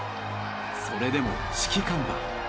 それでも指揮官は。